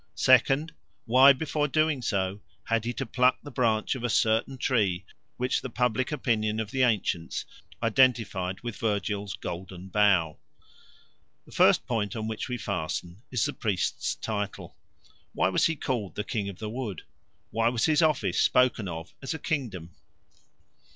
second, why before doing so had he to pluck the branch of a certain tree which the public opinion of the ancients identified with Virgil's Golden Bough? The first point on which we fasten is the priest's title. Why was he called the King of the Wood? Why was his office spoken of as a kingdom?